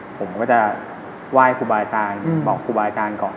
ผมก็จะไหว้ครูบาอาจารย์บอกครูบาอาจารย์ก่อน